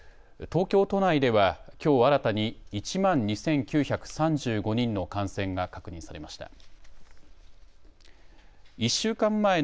東京都内ではきょう新たに１万２９３５人の感染が確認されました。